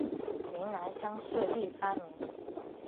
云南乡试第三名。